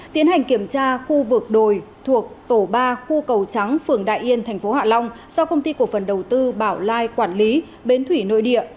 tiến hành kiểm tra khu vực đồi thuộc tổ ba khu cầu trắng phường đại yên thành phố hạ long do công ty cổ phần đầu tư bảo lai quản lý bến thủy nội địa